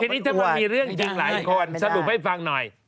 ทีนี้ถ้ามันมีเรื่องจริงหลายคนสรุปให้ฟังหน่อย